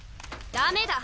ダメだ。